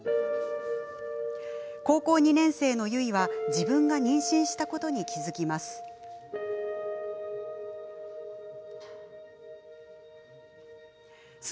高校２年生の結は自分が妊娠したことに気付きます。